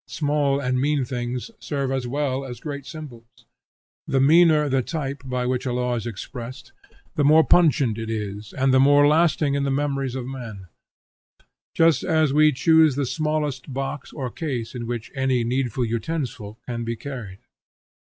Small and mean things serve as well as great symbols. The meaner the type by which a law is expressed, the more pungent it is, and the more lasting in the memories of men: just as we choose the smallest box or case in which any needful utensil can be carried.